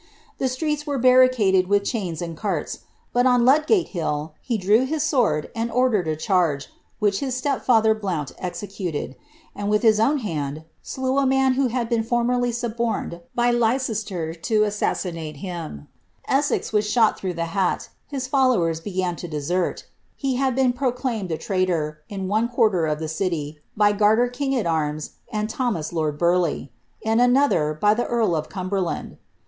The streets were barricadoed with chains and carts ; but, on Ludgate Hill, he drew his sword, and ordered a charge, which his stepfather Blount executed, and, with his own hand, slew a man who had been formerly suborned by Leicester to assassinate him Essex was shot through the hat : his foUowera began to desert He had been proclaimed a traitor, in one quarter of the city, by Garter King at Arms and Thomas Lord Burleigh ; in another, by the earl of Cumber land.